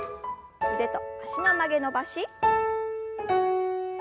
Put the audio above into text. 腕と脚の曲げ伸ばし。